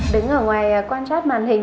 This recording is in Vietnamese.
đứng ở ngoài quan sát màn hình